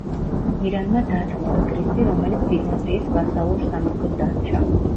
ირანმა დათმო ეგრისი, რომელიც ბიზანტიის ვასალურ სამეფოდ დარჩა.